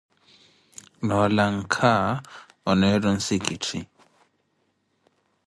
Noo lanka, oneettaka onsikitthi.